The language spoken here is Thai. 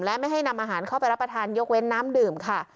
และไม่ให้นำอาหารเข้าไปรับประทานยกเว้นน้ำดื่มค่ะ